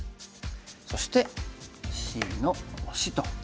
そしてＣのオシと。